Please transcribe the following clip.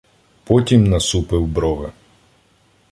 Потім насупив брови.